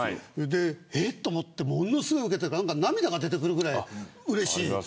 えっと思ってすごくウケていたから涙が出てくるくらいうれしい。